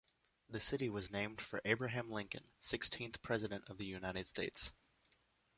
The city was named for Abraham Lincoln, sixteenth President of the United States.